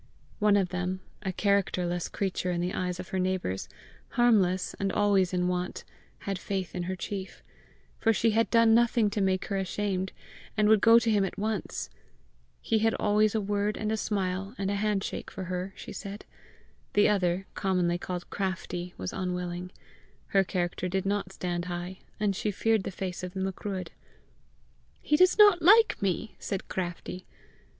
One of them, a characterless creature in the eyes of her neighbours, harmless, and always in want, had faith in her chief, for she had done nothing to make her ashamed, and would go to him at once: he had always a word and a smile and a hand shake for her, she said; the other, commonly called Craftie, was unwilling: her character did not stand high, and she feared the face of the Macruadh. "He does not like me!" said Craftie.